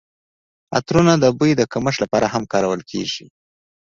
عطرونه د بوی د کمښت لپاره هم کارول کیږي.